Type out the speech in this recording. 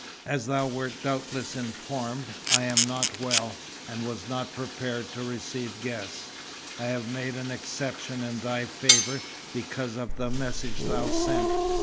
"As thou wert doubtless informed, I am not well, and was not prepared to receive guests. I have made an exception in thy favour, because of the message thou sent.